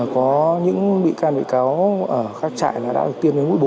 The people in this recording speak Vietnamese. có những bị can bị cáo ở các trại đã được tiêm đến mũi bốn